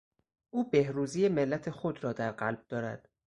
او بهروزی ملت خود را در قلب دارد.